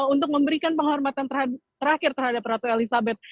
untuk memberikan penghormatan terakhir terhadap ratu elizabeth